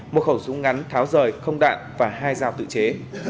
một khẩu súng ngắn tháo rời không đạn và hai dao tự chế